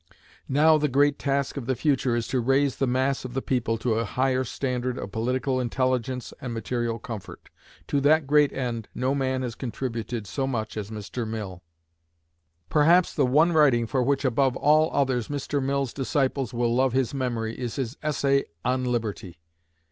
Now the great task of the future is to raise the mass of the people to a higher standard of political intelligence and material comfort. To that great end no man has contributed so much as Mr. Mill. Perhaps the one writing for which above all others Mr. Mill's disciples will love his memory is his essay "On Liberty."